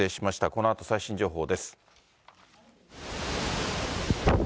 このあと最新情報です。